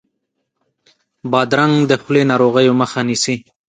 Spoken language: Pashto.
بادرنګ د خولې ناروغیو مخه نیسي.